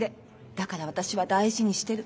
だから私は大事にしてる。